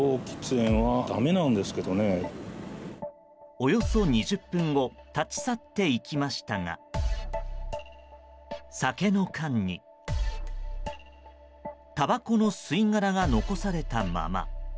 およそ２０分後立ち去っていきましたが酒の缶にたばこの吸い殻が残されたまま。